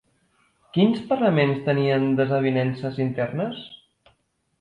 Quins parlaments tenien desavinences internes?